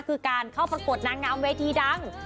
คือการเข้าประกวดนางงามเวทีดัง